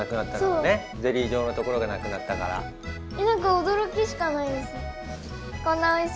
おどろきしかないです。